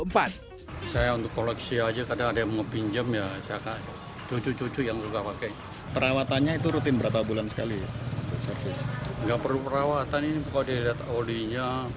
pada tahun seribu sembilan ratus enam puluh dua dan seribu sembilan ratus tujuh puluh empat